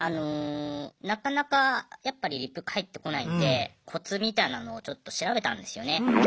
なかなかやっぱリプ返ってこないんでコツみたいなのをちょっと調べたんですよね。